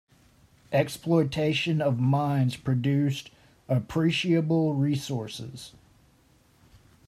Exploitation of mines produced appreciable resources.